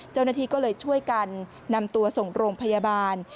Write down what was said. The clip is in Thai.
เจ้าหน้าที่ก็เลยช่วยกันนำตัวส่งโรงพยาบาล